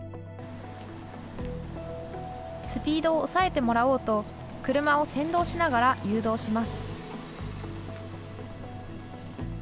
スピードを抑えてもらおうと車を先導しながら誘導します。